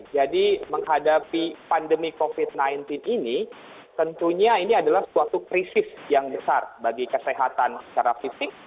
jadi menghadapi pandemi covid sembilan belas ini tentunya ini adalah suatu krisis yang besar bagi kesehatan secara fisik